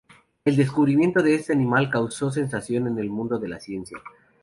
El descubrimiento de este animal causó sensación en el mundo de la ciencia.